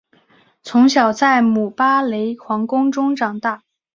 从小在姆巴雷皇宫中长大。